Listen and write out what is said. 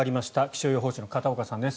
気象予報士の片岡さんです。